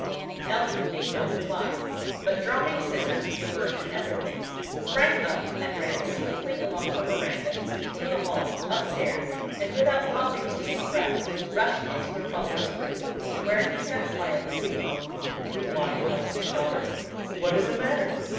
Elsie made no reply, but dropping scissors, paper, and everything, sprang up and ran swiftly along the veranda, through the hall, upstairs, and without pausing to take breath, rushed into her father's room, where he sat quietly reading. "Why, Elsie, daughter, what is the matter?"